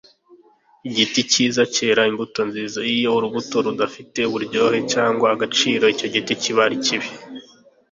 Igiti cyiza cyera imbuto nziza. Iyo urubuto rudafite uburyohe cyangwa agaciro, icyo giti kiba ari kibi.